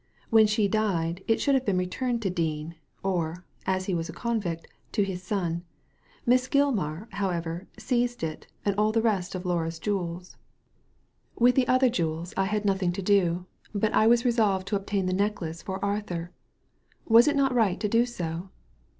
When she died, it should have been returned to Dean — or, as he was a convict — to his son. Miss Gilmar, however, seized it, and all the rest of Laura's jewels. N Digitized by VjOOQIC 178 THE LADY FROM NOWHERE With the other jewels I had nothing to do, but 1 was resolved to obtain the necklace for Arthur. Was it not right to do so